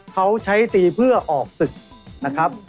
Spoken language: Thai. เขาใช้ตีเพื่อออกศึกนะครับ